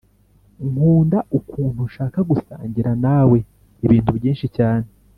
nkunda ukuntu nshaka gusangira nawe ibintu byinshi cyane.